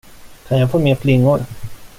Kan jag få mer flingor?